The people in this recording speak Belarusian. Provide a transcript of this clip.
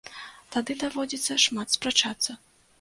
Тады даводзіцца шмат спрачацца.